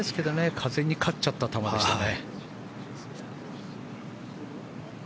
風に勝っちゃった球でしたね。